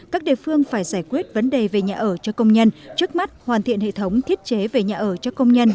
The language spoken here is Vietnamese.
các địa phương phải giải quyết vấn đề về nhà ở cho công nhân trước mắt hoàn thiện hệ thống thiết chế về nhà ở cho công nhân